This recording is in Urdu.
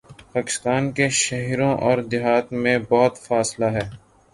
پاکستان کے شہروں اوردیہات میں بہت فاصلہ ہے۔